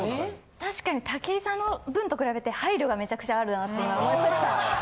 確かに武井さんの文と比べて配慮がめちゃくちゃあるなって今思いました。